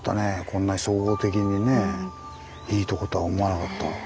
こんな総合的にねいいとことは思わなかった。